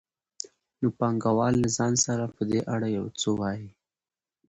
نو پانګوال له ځان سره په دې اړه یو څه وايي